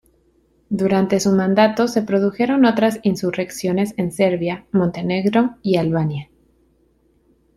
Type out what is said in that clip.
Durante su mandato se produjeron otras insurrecciones en Serbia, Montenegro y Albania.